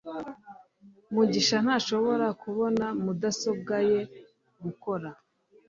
mugisha ntashobora kubona mudasobwa ye gukora